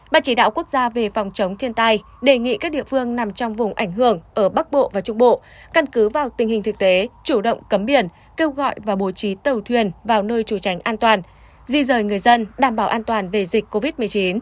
ban chỉ đạo quốc gia về phòng chống thiên tai đề nghị các địa phương nằm trong vùng ảnh hưởng ở bắc bộ và trung bộ căn cứ vào tình hình thực tế chủ động cấm biển kêu gọi và bố trí tàu thuyền vào nơi chủ tránh an toàn di rời người dân đảm bảo an toàn về dịch covid một mươi chín